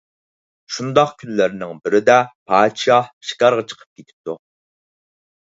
شۇنداق كۈنلەرنىڭ بىرىدە پادىشاھ شىكارغا چىقىپ كېتىپتۇ.